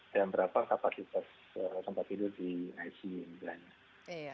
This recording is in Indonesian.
dan berapa kapasitas tempat tidur di icu misalnya